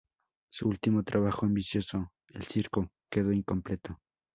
Su último trabajo ambicioso, "El circo", quedó incompleto.